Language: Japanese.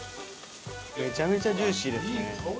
めちゃめちゃジューシーですね。